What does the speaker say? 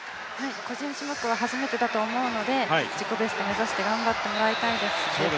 個人種目は初めてだと思うので、自己ベストを目指して頑張ってもらいたいです。